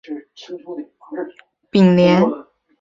现任董事局主席兼董事总经理为郭炳联。